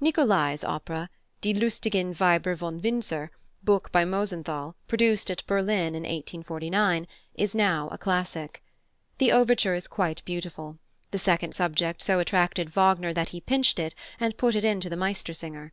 +Nicolai's+ opera, Die lustigen Weiber von Windsor, book by Mosenthal, produced at Berlin in 1849, is now a classic. The overture is quite beautiful; the second subject so attracted Wagner that he "pinched" it and put it into the Meistersinger.